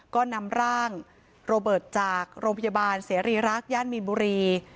ก็นำร่างโรเบิร์ตจากโรงพยาบาลเสรีรักษ์ย่านมีนบุรี